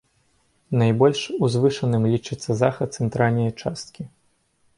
Найбольш узвышаным лічыцца захад цэнтральнай часткі.